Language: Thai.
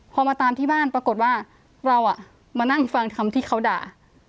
พอมาตามที่บ้านปรากฏว่าเรามานั่งฟังคำที่เขาด่า